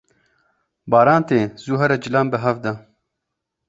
Baran tê zû here cilan bihevde.